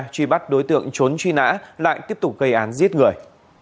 truy bắt đối tượng trốn truy nã lại tiếp tục gây án giết người